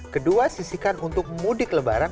kedua sisikan untuk mudik lebaran